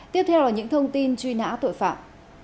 tiếp theo là những thông tin truy nã tội phạm